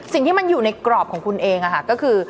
สิ่งที่มันอยู่ในกรอบของคุณเองก็คือ